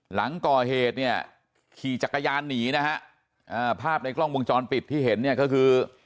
หลังก่อเหตุเนี่ยขี่จักรยานหนีนะฮะอ่าภาพในกล้องวงจรปิดที่เห็นเนี่ยก็คือ